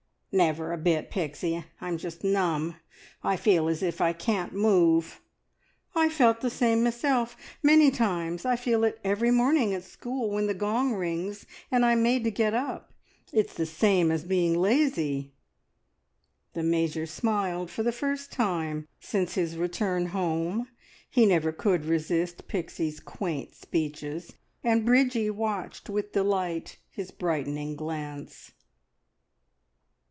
"Never a bit, Pixie. I'm just numb. I feel as if I can't move!" "I've felt the same meself. Many times! I feel it every morning at school when the gong rings and I'm made to get up. It's the same as being lazy." The Major smiled for the first time since his return home. He never could resist Pixie's quaint speeches, and Bridgie watched with delight his brightening glance.